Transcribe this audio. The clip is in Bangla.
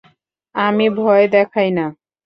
আমি ভয় দেখাই না,?